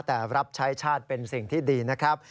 แต่รับใช้ชาติเป็นสิ่งที่ดีนะครับ